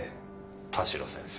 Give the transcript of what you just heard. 田代先生。